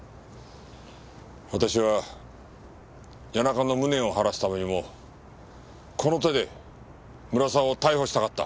私は谷中の無念を晴らすためにもこの手で村沢を逮捕したかった。